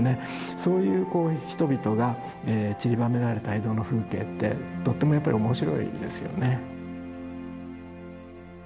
そういうこう人々がちりばめられた江戸の風景ってとってもやっぱり面白いですよね。